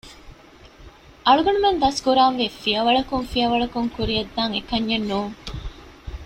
އަޅުގަނޑުމެން ދަސްކުރާންވީ ފިޔަވަޅަކުން ފިޔަވަޅަކުން ކުރިޔަށްދާން އެކަންޏެއް ނޫން